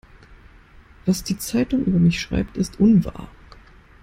Was die Zeitung über mich schreibt, ist unwahr.